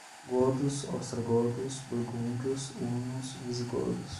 Godos, ostrogodos, burgúndios, hunos, visigodos